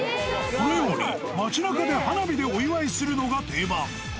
街なかで花火でお祝いするのが定番。